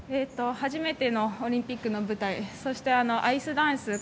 初めてのオリンピックの舞台アイスダンス